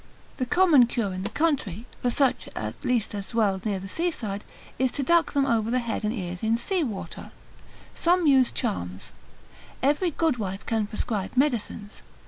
The common cure in the country (for such at least as dwell near the seaside) is to duck them over head and ears in sea water; some use charms: every good wife can prescribe medicines.